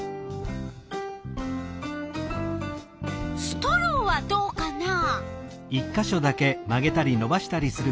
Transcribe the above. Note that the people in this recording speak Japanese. ストローはどうかな？